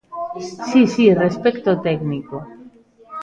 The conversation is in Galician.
Si, si, respecto técnico.